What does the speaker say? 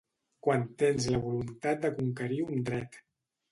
Quan tens la voluntat de conquerir un dret.